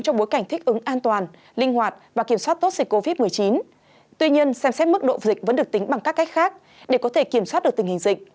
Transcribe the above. trong bối cảnh thích ứng an toàn linh hoạt và kiểm soát tốt dịch covid một mươi chín